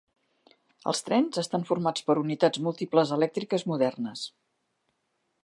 Els trens estan formats per unitats múltiples elèctriques modernes.